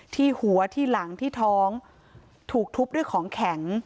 ที่หัวที่หลังที่ท้องถูกทุบด้วยของแข็ง